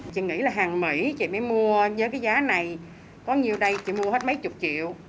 chị nghĩ là hàng mỹ chị mới mua với cái giá này có nhiều đây chị mua hết mấy chục triệu